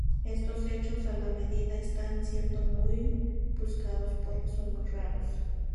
Estos hechos a la medida están siendo muy buscados porque son muy raros.